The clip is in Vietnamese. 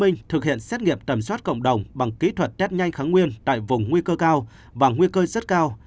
tp hcm thực hiện kiểm soát cộng đồng bằng kỹ thuật test nhanh kháng nguyên tại vùng nguy cơ cao và nguy cơ rất cao